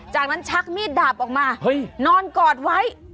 จากนั้นชักมีดดาบออกมานอนกอดไว้